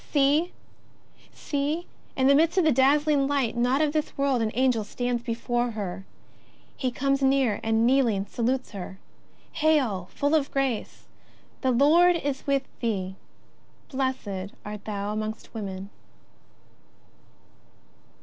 See ! See ! in the midst of a dazzling light, not of this world, an Angel stands before her. He comes near, and, kneeling, salutes her :" Hail, full of grace, the Lord is with thee : blessed art thou amongst women